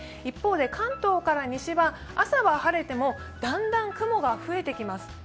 一方で関東から西は、朝は晴れてもだんだん雲が増えてきます。